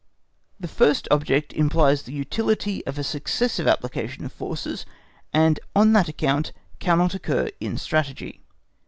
The first object implies the utility of a successive application of forces, and on that account cannot occur in Strategy.